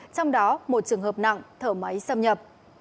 trong đó một trường hợp nặng thở máy xâm nhập